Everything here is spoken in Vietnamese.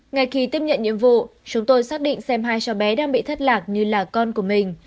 ngay khi tiếp nhận nhiệm vụ chúng tôi xác định xem hai cháu bé đang bị thất lạc như là con của mình